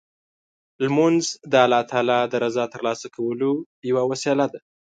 لمونځ د الله تعالی د رضا ترلاسه کولو یوه وسیله ده.